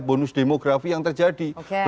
bonus demografi yang terjadi